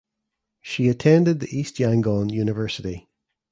She attended the East Yangon University.